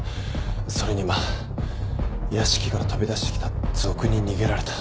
それに今屋敷から飛び出してきた賊に逃げられた。